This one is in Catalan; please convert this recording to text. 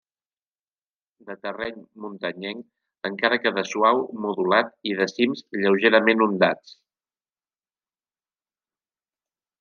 De terreny muntanyenc encara que de suau modulat i de cims lleugerament ondats.